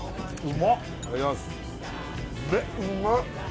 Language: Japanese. うまっ！